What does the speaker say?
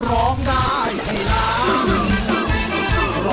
ร้องได้ให้ร้อง